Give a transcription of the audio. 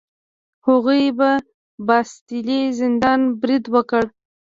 هغوی په باستیلي زندان برید وکړ.